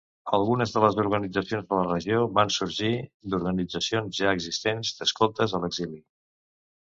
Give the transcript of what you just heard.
Algunes de les organitzacions de la regió van sorgir d'organitzacions ja existents d'escoltes a l'exili.